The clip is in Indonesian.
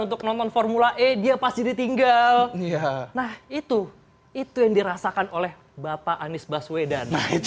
untuk nonton formula e dia pasti ditinggal iya nah itu itu yang dirasakan oleh bapak anies baswedan